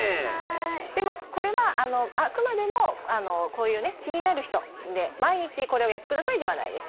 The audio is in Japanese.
でもこれはあくまでもこういう気になる人で毎日これをやってくださいではないです。